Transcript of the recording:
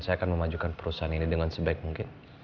saya akan memajukan perusahaan ini dengan sebaik mungkin